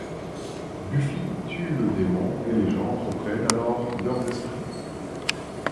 Buffy tue le démon et les gens reprennent alors leurs esprits.